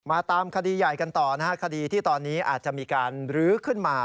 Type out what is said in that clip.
ตามคดีใหญ่กันต่อนะฮะคดีที่ตอนนี้อาจจะมีการรื้อขึ้นมา